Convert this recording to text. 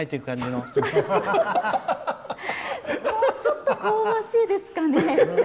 もうちょっと香ばしいですかね。